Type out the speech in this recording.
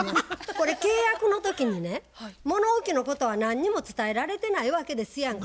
これ契約の時にね物置のことは何も伝えられてないわけですやんか。